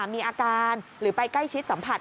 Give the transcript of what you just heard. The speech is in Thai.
มีอาการหรือไปใกล้ชิดสัมผัส